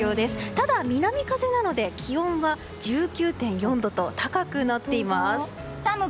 ただ、南風なので気温は１９．４度と高くなっています。